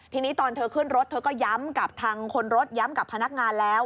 ทีนี้ตอนเธอขึ้นรถเธอก็ย้ำกับทางคนรถย้ำกับพนักงานแล้ว